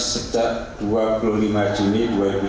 sejak dua puluh lima juni dua ribu sembilan belas